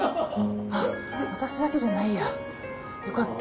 あっ、私だけじゃないや、よかった。